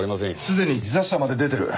すでに自殺者まで出てる。